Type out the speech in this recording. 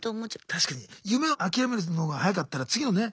確かに夢を諦めるのが早かったら次のね